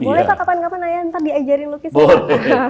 boleh pak kapan kapan saya ntar diajarin lukis